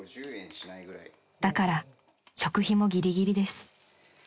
［だから食費もギリギリです］